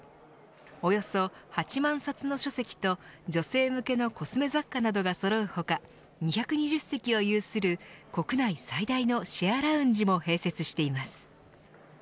およそ８万冊の書籍と女性向けのコスメ雑貨などがそろう他２２０席を有する国内最大のシェアラウンジも併設しています。